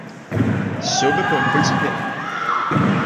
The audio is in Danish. »»Suppe paa en Pølsepind!